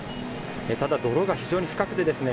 ただ、泥が非常に深くてですね